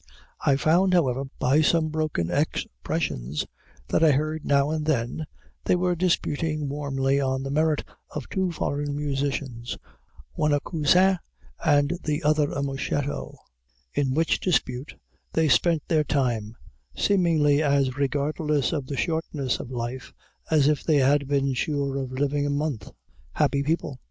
I found, however, by some broken expressions that I heard now and then, they were disputing warmly on the merit of two foreign musicians, one a cousin, the other a moscheto; in which dispute they spent their time, seemingly as regardless of the shortness of life as if they had been sure of living a month. Happy people!